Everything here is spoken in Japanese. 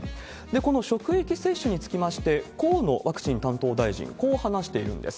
この職域接種につきまして、河野ワクチン担当大臣、こう話しているんです。